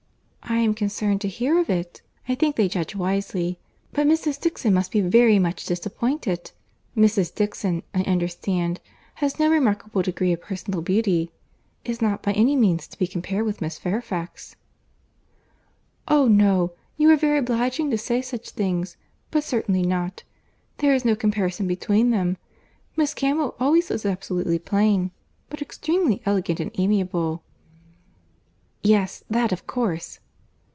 "I am concerned to hear of it. I think they judge wisely. But Mrs. Dixon must be very much disappointed. Mrs. Dixon, I understand, has no remarkable degree of personal beauty; is not, by any means, to be compared with Miss Fairfax." "Oh! no. You are very obliging to say such things—but certainly not. There is no comparison between them. Miss Campbell always was absolutely plain—but extremely elegant and amiable." "Yes, that of course."